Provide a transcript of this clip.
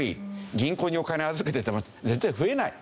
銀行にお金預けてても全然増えない。